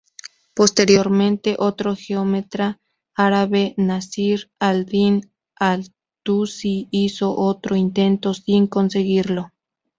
Posteriormente otro geómetra árabe, Nasir al-Din al-Tusi hizo otro intento sin conseguirlo.